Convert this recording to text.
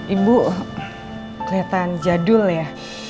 ibu keliatan jadul ya